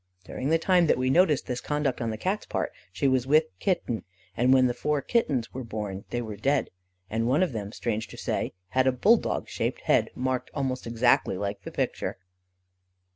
During the time that we noticed this conduct on the Cat's part, she was with Kitten, and when the four Kittens were born they were dead, and one of them, strange to say, had a bulldog shaped head, marked almost exactly like the picture.